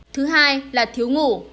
thứ hai là thiếu ngủ